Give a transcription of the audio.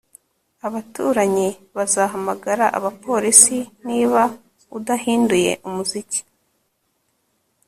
Abaturanyi bazahamagara abapolisi niba udahinduye umuziki